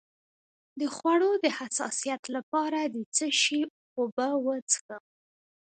د خوړو د حساسیت لپاره د څه شي اوبه وڅښم؟